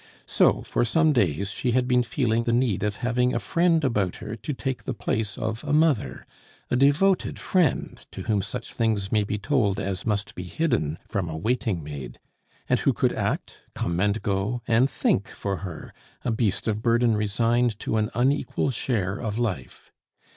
So, for some days, she had been feeling the need of having a friend about her to take the place of a mother a devoted friend, to whom such things may be told as must be hidden from a waiting maid, and who could act, come and go, and think for her, a beast of burden resigned to an unequal share of life.